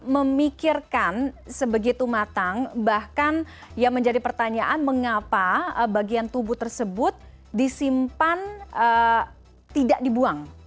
memikirkan sebegitu matang bahkan yang menjadi pertanyaan mengapa bagian tubuh tersebut disimpan tidak dibuang